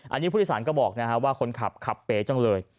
อันนี้พุทธศาลก็บอกนะครับว่าคนขับขับเป๊จังเลย